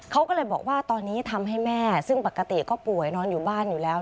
เขาก็เลยบอกว่าตอนนี้ทำให้แม่ซึ่งปกติก็ป่วยนอนอยู่บ้านอยู่แล้ว